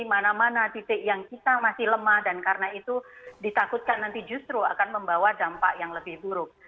mana mana titik yang kita masih lemah dan karena itu ditakutkan nanti justru akan membawa dampak yang lebih buruk